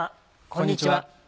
こんにちは。